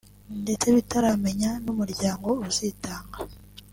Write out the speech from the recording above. ndetse bitaramenya n’umuryango uzitanga